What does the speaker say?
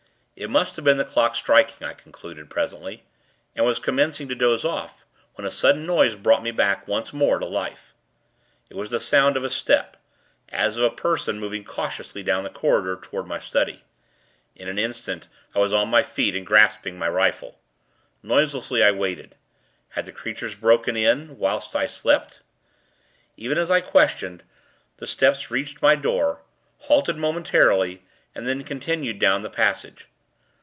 It must have been the clock striking, I concluded, presently; and was commencing to doze off, when a sudden noise brought me back, once more, to life. It was the sound of a step, as of a person moving cautiously down the corridor, toward my study. In an instant, I was on my feet, and grasping my rifle. Noiselessly, I waited. Had the creatures broken in, whilst I slept? Even as I questioned, the steps reached my door, halted momentarily, and then continued down the passage.